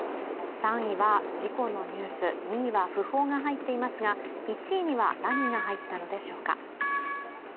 ３位は事故のニュース、２位は訃報が入っていますが、１位には何が入ったのでしょうか。